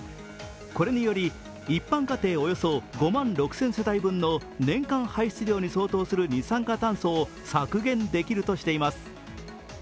これにより一般家庭およそ５万６０００世帯分の年間排出量に相当する二酸化炭素を削減できるとしています。